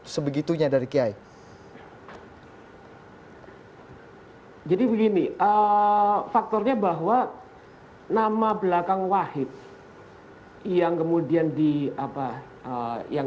sebegitunya dari kiai jadi begini faktornya bahwa nama belakang wahid yang kemudian di apa yang